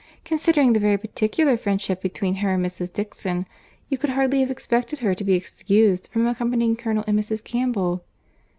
Considering the very particular friendship between her and Mrs. Dixon, you could hardly have expected her to be excused from accompanying Colonel and Mrs. Campbell."